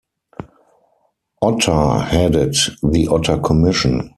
Otter headed the Otter Commission.